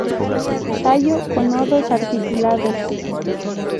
Tallo con nodos articulados.